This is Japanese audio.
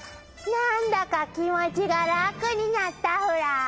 なんだかきもちがらくになったフラ。